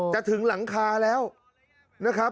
ถึงหลังคาแล้วนะครับ